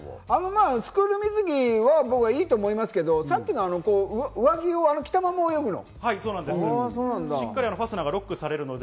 スクール水着はいいと思いますけど、さっきの上着を着たまま泳ぐの？